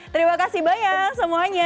terima kasih banyak semuanya